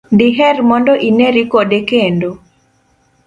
diher mondo ineri kode kendo?